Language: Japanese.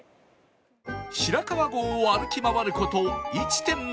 白川郷を歩き回る事 １．７ キロ